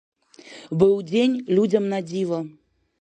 Быў дзень людзям на дзіва.